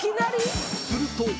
［すると］